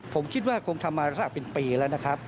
ผมคิดว่าคงทำมาสักเป็นปีแล้วนะครับ